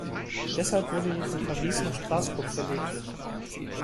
Deshalb wurde die von Paris nach Straßburg verlegt.